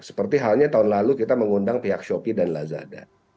seperti halnya tahun lalu kita mengundang pihak shopee dan lazada